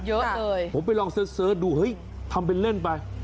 เยอะเลยผมไปลองเสิร์ชดูเฮ้ยทำเป็นเล่นไป